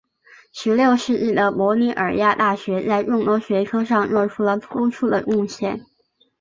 十六世纪的博洛尼亚大学在众多学科上做出了突出的贡献。